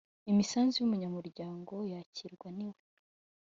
Imisanzu y umunyamuryango yakirwa niwe